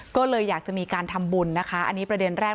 ก็เลยอยากจะมีการทำบุญนะคะอันนี้ประเด็นแรก